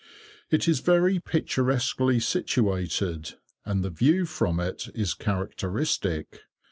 It is very picturesquely situated, and the view from it is characteristic.